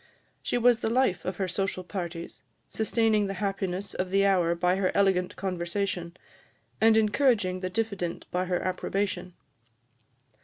She was the life of her social parties, sustaining the happiness of the hour by her elegant conversation, and encouraging the diffident by her approbation.